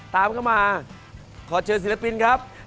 ตามเข้ามาขอเชิญศิลปินครับ